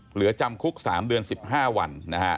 เหลือจำคุก๓เดือน๑๕วัน